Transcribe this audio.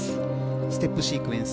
ステップシークエンス。